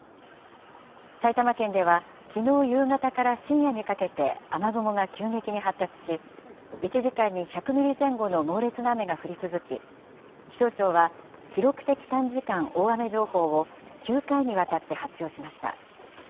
埼玉県では、きのう夕方から深夜にかけて雨雲が急激に発達し、１時間に１００ミリ前後の猛烈な雨が降り続き、気象庁は記録的短時間大雨情報を９回にわたって発表しました。